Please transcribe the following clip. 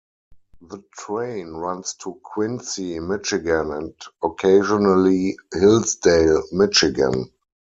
The train runs to Quincy, Michigan and occasionally Hillsdale, Michigan.